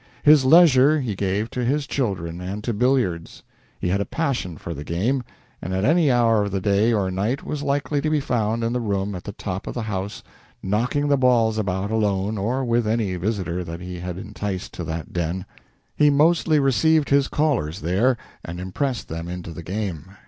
His leisure he gave to his children and to billiards. He had a passion for the game, and at any hour of the day or night was likely to be found in the room at the top of the house, knocking the balls about alone or with any visitor that he had enticed to that den. He mostly received his callers there, and impressed them into the game.